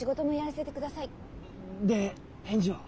で返事は？